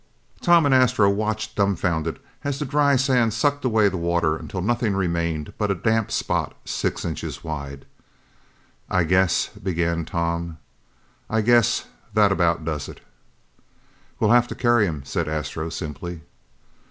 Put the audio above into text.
Tom and Astro watched dumfounded as the dry sand sucked away the water until nothing remained but a damp spot six inches wide. "I guess " began Tom, "I guess that about does it!" "We'll have to carry him," said Astro simply.